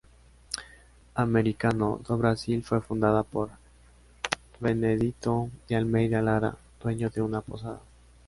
Americano do Brasil fue fundada por Benedito de Almeida Lara, dueño de una posada.